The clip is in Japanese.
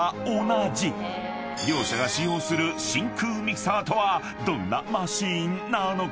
［両社が使用する真空ミキサーとはどんなマシンなのか？］